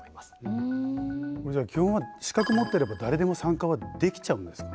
これじゃあ基本は資格持ってれば誰でも参加はできちゃうんですか？